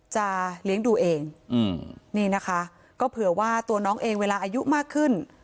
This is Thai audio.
จะเลี้ยงดูเองนี่นะคะก็เผื่อว่าตัวน้องเองเวลาอายุมากขึ้น